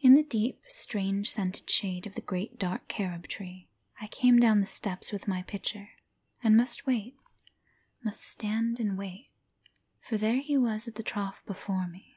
In the deep, strange scented shade of the great dark carob tree I came down the steps with my pitcher And must wait, must stand and wait, for there he was at the trough before me.